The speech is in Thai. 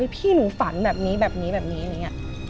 พี่หนูฝันแบบนี้แบบนี้แบบนี้